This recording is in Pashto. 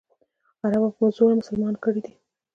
عربو په زوره مسلمانان کړي دي.